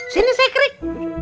sini saya kerik